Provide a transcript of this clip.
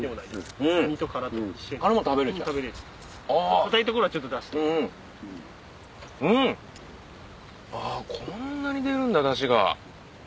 あこんなに出るんだダシが。